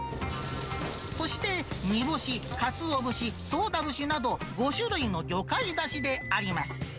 そして煮干し、かつお節、そうだ節など、５種類の魚介だしであります。